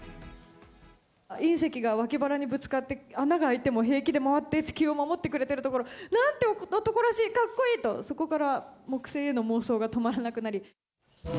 隕石が脇腹にぶつかって、穴が開いても平気で回って、地球を守ってくれてるところ、なんて男らしい、かっこいいと、そこから木星への妄想が止まらなくなり。